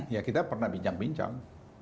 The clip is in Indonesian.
ya kita pernah bincang bincang